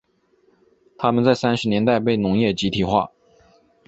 他们在三十年代被农业集体化。